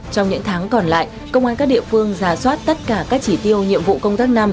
trong những tháng còn lại công an các địa phương giả soát tất cả các chỉ tiêu nhiệm vụ công tác năm